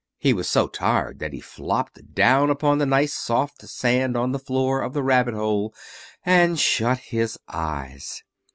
He was so tired that he flopped down upon the nice soft sand on the floor of the rabbit hole and shut his eyes.